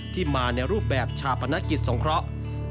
ที่มาในรูปแบบชาปนกิจสงเคราะห์